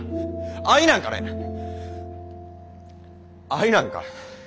愛なんかね愛なんか。